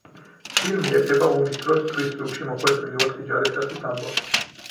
ფილმი ეხება ომის დროს მტრის ზურგში მოხვედრილი ოთხი ჯარისკაცის ამბავს.